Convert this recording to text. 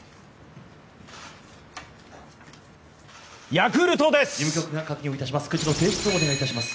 ヤクルトです！